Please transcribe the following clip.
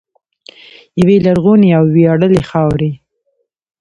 یوې لرغونې او ویاړلې خاورې.